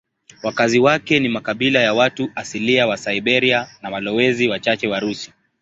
Wakazi wake ni makabila ya watu asilia wa Siberia na walowezi wachache Warusi.